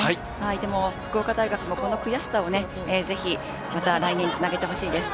でも福岡大学の悔しさ、ぜひまた来年につなげてほしいです。